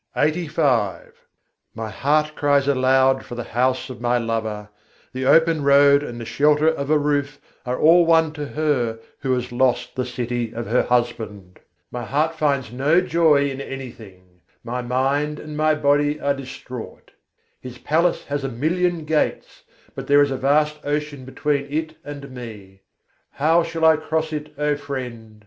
90. naihar se jiyarâ phât re My heart cries aloud for the house of my lover; the open road and the shelter of a roof are all one to her who has lost the city of her husband. My heart finds no joy in anything: my mind and my body are distraught. His palace has a million gates, but there is a vast ocean between it and me: How shall I cross it, O friend?